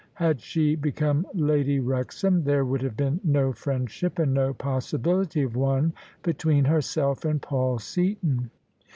Had she become Lady Wrexham, there would have been no friendship, and no possibility of one, between herself and Paul Seaton.